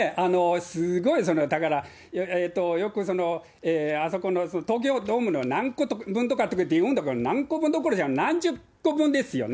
すごい、だから、えっと、よくあそこの東京ドームの何個分とかと言うんだけど、何個分どころじゃ、何十個分ですよね。